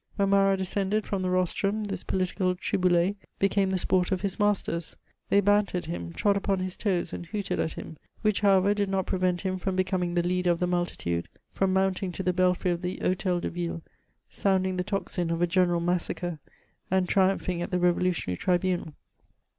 When Majut descended from the rostrum, this political Tziboulet became the ^rt of his masters ; they banteredhim, trod upon his toes, and hooted at him, which, how * ever, did not prevent him from beooming the leader of the mul titude, from moimting to the belfiy of the Hotel de Ville, sound ing the tocsin of a general massacre, and triumphing at the revolutionary tribunal.